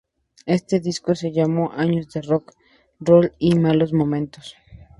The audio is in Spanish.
Este disco se llamó "Años de Rock ´n´ Roll y de Malos Momentos".